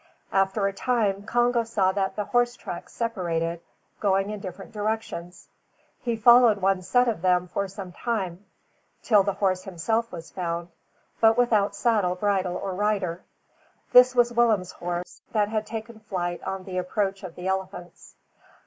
After a time, Congo saw that the horse tracks separated, going in different directions. He followed one set of them for some time till the horse himself was found, but without saddle, bridle, or rider. This was Willem's horse, that had taken flight on the approach of the elephants.